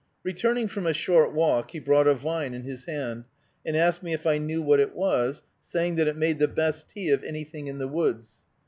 Returning from a short walk, he brought a vine in his hand, and asked me if I knew what it was, saying that it made the best tea of anything in the woods.